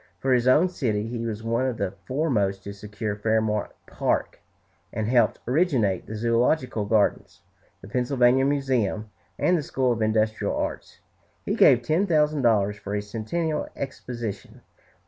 For his own city he was one of the foremost to secure Fairmount Park, and helped originate the Zoölogical Gardens, the Pennsylvania Museum, and the School of Industrial Arts. He gave ten thousand dollars for a Centennial Exposition.